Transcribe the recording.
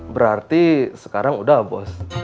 berarti sekarang udah bos